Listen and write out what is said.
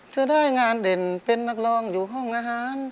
จะได้งานเด่นเป็นนักร้องอยู่ห้องอาหาร